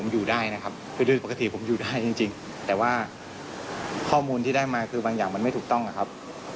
อยู่ได้นะครับคือโดยปกติผมอยู่ได้จริงแต่ว่าข้อมูลที่ได้มาคือบางอย่างมันไม่ถูกต้องอะครับ